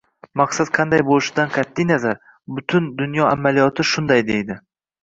Maqsad qanday bo'lishidan qat'i nazar, butun dunyo amaliyoti shunday deydi